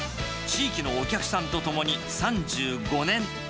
地域のお客さんと共に３５年。